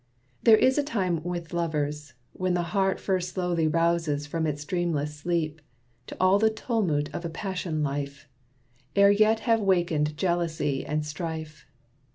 There is a time with lovers, when the heart First slowly rouses from its dreamless sleep, To all the tumult of a passion life, Ere yet have wakened jealousy and strife.